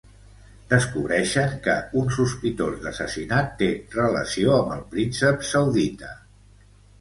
Descobreixen que un sospitós d'assassinat té relació amb el príncep saudita